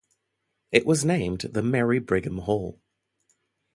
It was named The Mary Brigham Hall.